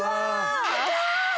赤い！